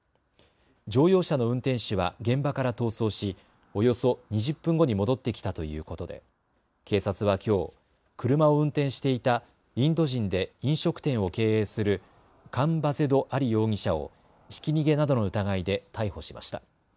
乗用車の運転手は現場から逃走しおよそ２０分後に戻ってきたということで警察はきょう車を運転していたインド人で飲食店を経営するカン・バゼド・アリ容疑者をひき逃げなどの疑いで逮捕しました。